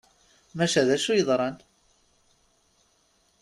Maca d acu i yeḍran?